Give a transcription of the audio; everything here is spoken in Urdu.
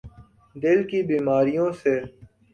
دل کی بیماریوں س